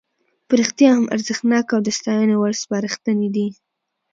په رښتیا هم ارزښتناکه او د ستاینې وړ سپارښتنې دي.